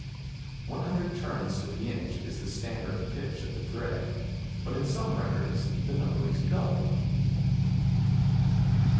One hundred turns to the inch is the standard pitch of the thread; but in some records the number is doubled.